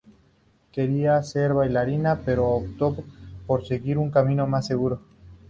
Quería ser bailarina, pero optó por seguir un camino más seguro.